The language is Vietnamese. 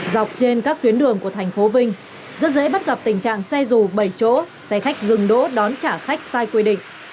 dọc trên các tuyến đường của tp vinh rất dễ bắt gặp tình trạng xe rù bảy chỗ xe khách dừng đỗ đón trả khách sai quy định